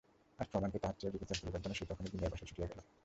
আজ প্রমাণকে তাহার চেয়েও দৃঢ়তর করিবার জন্য সে তখনই বিনয়ের বাসায় ছুটিয়া গেল।